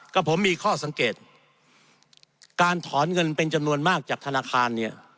กับผมมีข้อสังเกตการถอนเงินเป็นจำนวนมากจากธนาคารเนี่ย